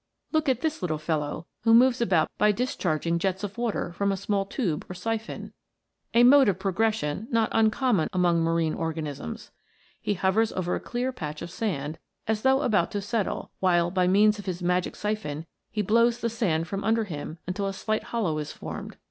Look at this little fellow, who moves about by discharging jets of water from a small tube or siphon a mode of progression not uncommon among marine organisms. He hovers over a clear 118 THE MERMAID'S HOME. patch of sand, as though about to settle, while by means of his magic siphon he blows the sand from under him until a slight hollow is formed.